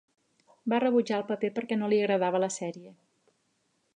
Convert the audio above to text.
Va rebutjar el paper perquè no li agradava la sèrie.